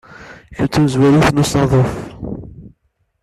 Kemm d tamezrawt n usaḍuf?